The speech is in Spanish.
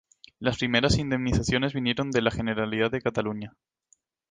Las primeras indemnizaciones vinieron de la Generalidad de Cataluña.